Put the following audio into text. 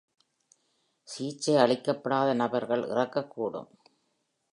சிகிச்சை அளிக்கப்படாத நபர்கள் இறக்கக் கூடும்.